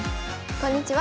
こんにちは。